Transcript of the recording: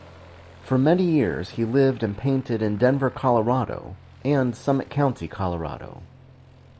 For many years he lived and painted in Denver, Colorado and Summit County, Colorado.